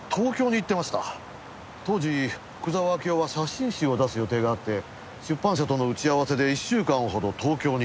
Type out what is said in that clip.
当時福沢明夫は写真集を出す予定があって出版社との打ち合わせで１週間ほど東京に。